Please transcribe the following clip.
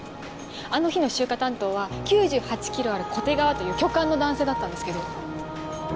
あの日の集荷担当は９８ｋｇある古手川という巨漢の男性だったんですけど。